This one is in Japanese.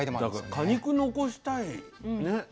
だから果肉残したいね。